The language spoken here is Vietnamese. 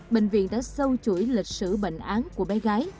bệnh viện đã sâu chuỗi lịch sử bệnh án của bé gái